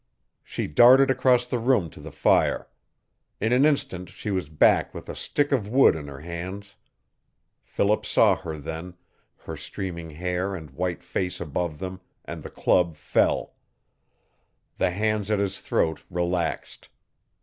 She darted across the room to the fire. In an instant she was back with a stick of wood in her hands. Philip saw her then her streaming hair and white face above them, and the club fell. The hands at his throat relaxed.